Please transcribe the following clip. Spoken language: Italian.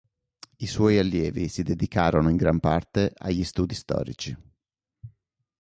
I suoi allievi si dedicarono in gran parte agli studi storici.